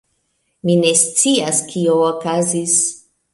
Mi ne scias kio okazis